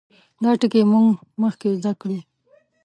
دا ټګي موږ مخکې زده کړې.